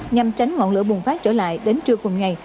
nhằm tránh ngọn lửa bùng phát trở lại đến trưa cùng ngày